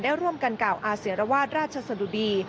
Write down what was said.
ได้ร่วมกันกับอาเสรวาธรรชฎุดี